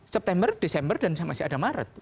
september desember dan masih ada maret